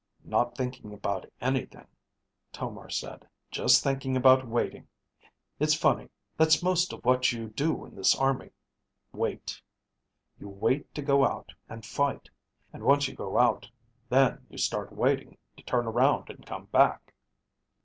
"Not thinking about anything," Tomar said. "Just thinking about waiting. It's funny, that's most of what you do in this army: wait. You wait to go out and fight. And once you go out, then you start waiting to turn around and come back."